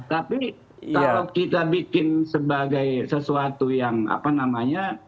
tapi kalau kita bikin sebagai sesuatu yang apa namanya